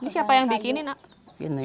siapa yang bikin ini